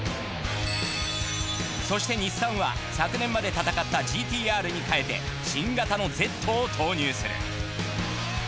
そしてニッサンは昨年まで戦ったＧＴ−Ｒに変えて新型のＺを投入する。